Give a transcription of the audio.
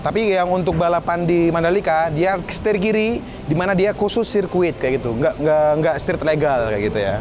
tapi yang untuk balapan di mandalika dia setir kiri dimana dia khusus sirkuit kayak gitu nggak setir legal kayak gitu ya